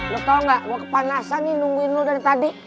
lo tau gak gue kepanasan nih nungguin lo dari tadi